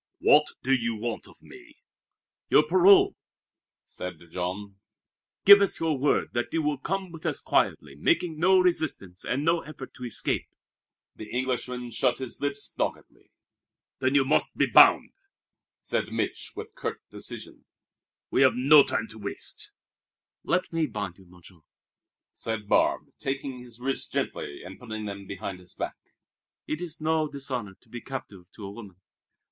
"What do you want of me?" "Your parole!" said Jean. "Give us your word that you will come with us quietly, making no resistance and no effort to escape." The Englishman shut his lips doggedly. "Then you must be bound," said Mich' with curt decision. "We've no time to waste." "Let me bind you, Monsieur," said Barbe, taking his wrists gently and putting them behind his back. "It is no dishonor to be captive to a woman."